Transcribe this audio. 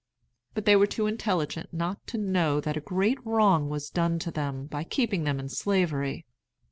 But they were too intelligent not to know that a great wrong was done to them by keeping them in slavery.